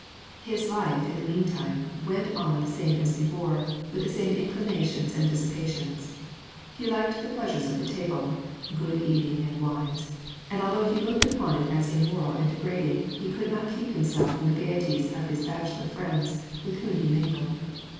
His life, in the mean time, went on the same as before, with the same inclinations and dissipations. He liked the pleas ures of the table, — good eating and wines ; and although he looked upon it as immoral and degrading, he could not keep himself from the gayeties of his bachelor friends with whom he mingled.